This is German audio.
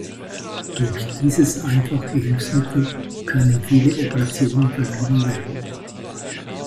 Durch dieses einfache Hilfsmittel können viele Operationen vermieden werden.